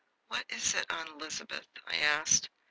"What is it. Aunt Elizabeth?" I asked.